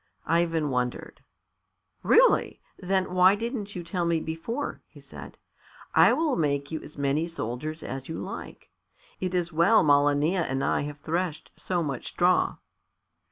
Ivan wondered. "Really! Then why didn't you tell me before?" he said. "I will make you as many soldiers as you like. It is well Malania and I have threshed so much straw."